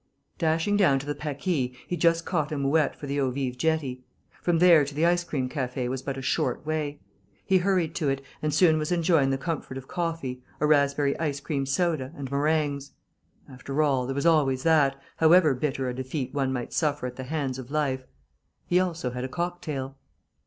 Dashing down to the Paquis, he just caught a mouette for the Eaux Vives jetty. From there to the ice cream café was but a short way. He hurried to it, and soon was enjoying the comfort of coffee, a raspberry ice cream soda, and meringues. After all, there was always that, however bitter a defeat one might suffer at the hands of life. He also had a cocktail.